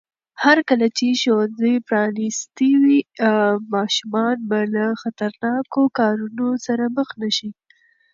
هرکله چې ښوونځي پرانیستي وي، ماشومان به له خطرناکو کارونو سره مخ نه شي.